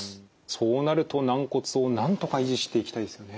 そうなると軟骨をなんとか維持していきたいですよね。